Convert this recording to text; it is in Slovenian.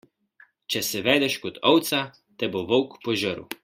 Če se vedeš kot ovca, te bo volk požrl.